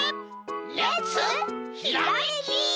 レッツひらめき！